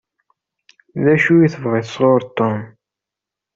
D acu i tebɣiḍ sɣur Tom?